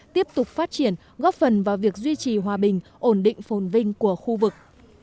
tiếp tục phát triển góp phần vào việc duy trì hòa bình ổn định phồn vinh của khu vực